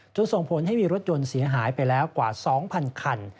ส่งผลให้มีรถยนต์เสียหายไปแล้วกว่า๒๐๐คัน